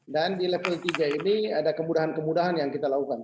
di level tiga ini ada kemudahan kemudahan yang kita lakukan